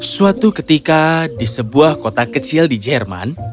suatu ketika di sebuah kota kecil di jerman